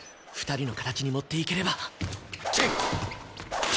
２人の形に持っていければ。